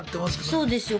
そうですよ。